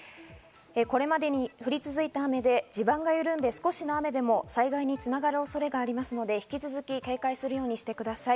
これまでに降り続いた雨で地盤が緩んで少しの雨でも災害に繋がる恐れがありますので引き続き警戒するようにしてください。